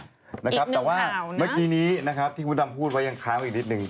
อีกหนึ่งข่าวนะนะครับแต่ว่าเมื่อกี้นี้นะครับที่มดัมพูดไว้ยังครั้งอีกนิดหนึ่ง